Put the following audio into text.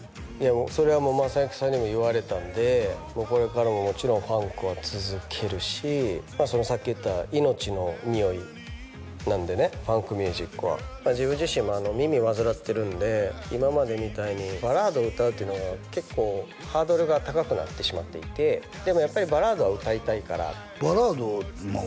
もうそれは雅之さんにも言われたんでこれからももちろんファンクは続けるしさっき言った命の匂いなんでねファンクミュージックは自分自身も耳患ってるんで今までみたいにバラード歌うっていうのが結構ハードルが高くなってしまっていてでもやっぱりバラードは歌いたいからバラードまあ